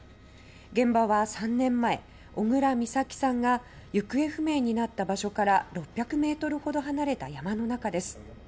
現場は３年前、小倉美咲さんが行方不明になった場所から６００ｍほど離れた山の中です。